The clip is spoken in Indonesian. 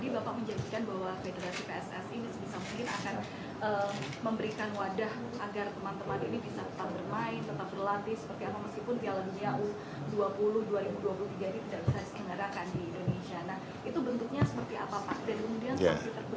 itu bentuknya seperti apa pak dan kemudian sanksi terberat yang bisa berpotensi diberikan pada viva itu apa